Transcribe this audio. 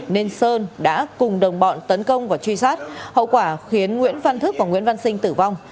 nên sơn đã cùng đồng bọn tấn công và truy sát hậu quả khiến nguyễn văn thức và nguyễn văn sinh tử vong